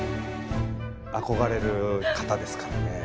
憧れる方ですからねやっぱり。